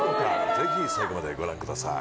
ぜひ最後までご覧ください。